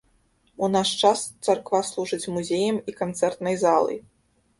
У наш час царква служыць музеем і канцэртнай залай.